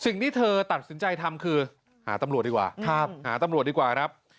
สิ่งที่เธอตัดสินใจทำคือหาตำรวจดีกว่าหาตำรวจดีกว่าครับ